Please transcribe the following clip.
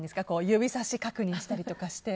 指さし確認したりとかして。